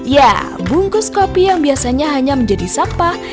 ya bungkus kopi yang biasanya hanya menjadi sampah